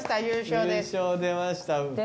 優勝出ました。